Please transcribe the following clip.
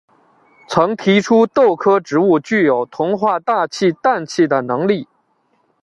曾提出豆科植物具有同化大气氮气的能力。